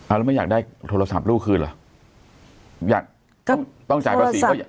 แล้วไม่อยากได้โทรศัพท์ลูกคืนเหรออยากต้องต้องจ่ายภาษีก็